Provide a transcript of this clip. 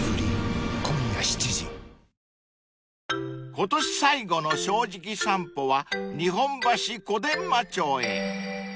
［今年最後の『正直さんぽ』は日本橋小伝馬町へ］